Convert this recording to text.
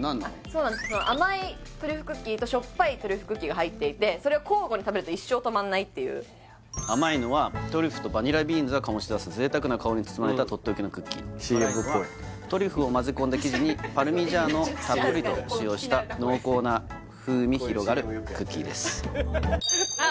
そうなんです甘いトリュフクッキーとしょっぱいトリュフクッキーが入っていてそれを交互に食べると一生止まんないっていう甘いのはトリュフとバニラビーンズが醸し出す贅沢な香りに包まれたとっておきのクッキーＣＭっぽい辛いのはトリュフをまぜこんだ生地にパルミジャーノをたっぷりと使用した濃厚な風味広がるクッキーですあ